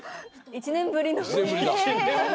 １年ぶりだ。